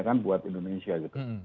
kan buat indonesia gitu